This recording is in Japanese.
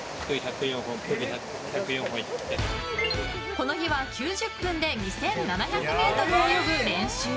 この日は９０分で２７００ｍ泳ぐ練習。